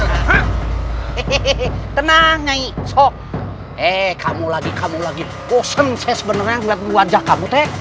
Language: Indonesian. hehehe tenang ngaih sok eh kamu lagi kamu lagi bosan saya sebenarnya ngeliat wajah kamu teh